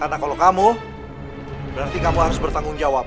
karena kalau kamu berarti kamu harus bertanggung jawab